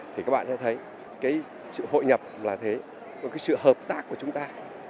thì các bạn sẽ thấy sự hội nhập là thế và sự hợp tác của chúng ta